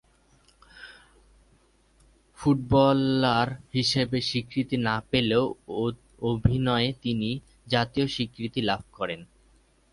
Footballer হিসেবে স্বীকৃতি না পেলেও অভিনয়ে তিনি জাতীয় স্বীকৃতি লাভ করেন।